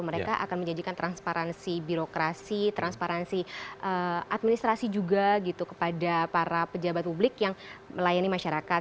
mereka akan menjanjikan transparansi birokrasi transparansi administrasi juga gitu kepada para pejabat publik yang melayani masyarakat